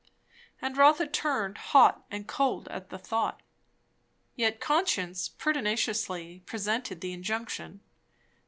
And Rotha turned hot and cold at the thought. Yet conscience pertinaciously presented the injunction?"